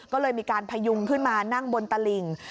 ก็เลยมีการพยุงขึ้นมานั่งบนตลิ่ง